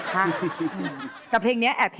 ไม่รู้เลย